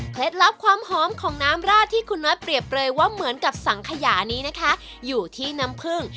ลับความหอมของน้ำราดที่คุณน้อยเปรียบเปลยว่าเหมือนกับสังขยานี้นะคะอยู่ที่น้ำผึ้ง